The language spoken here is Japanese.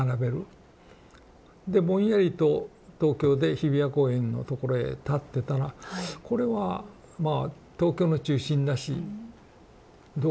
でぼんやりと東京で日比谷公園のところへ立ってたらこれはまあ東京の中心だしどうかなと思って。